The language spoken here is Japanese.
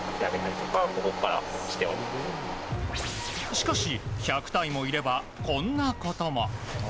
しかし、１００体もいればこんなことも。